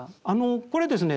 これですね